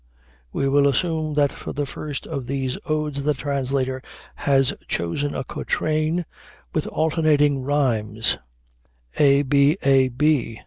We will assume that for the first of these odes the translator has chosen a quatrain with alternating rhymes (a, b, a, b).